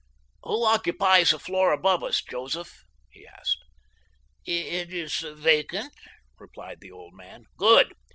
"Who occupies the floor above us, Joseph?" he asked. "It is vacant," replied the old man. "Good!